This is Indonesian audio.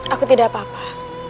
aku tidak apa apa